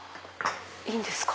いいんですか？